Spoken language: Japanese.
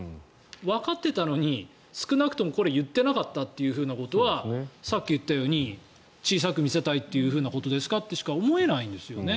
わかってたのに少なくともこれを言ってなかったってことはさっき言ったように小さく見せたいということですか？としか思えないんですよね。